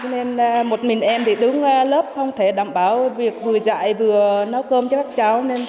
nên một mình em thì đứng lớp không thể đảm bảo việc vừa dạy vừa nấu cơm cho các cháu